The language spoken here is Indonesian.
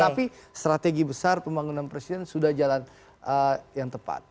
tapi strategi besar pembangunan presiden sudah jalan yang tepat